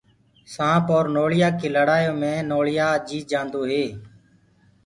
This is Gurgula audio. سآنٚپ اور نوݪِيآ ڪيٚ لڙآيو مي نوݪِيآ جيت جانٚدو هي